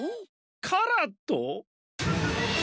カラット？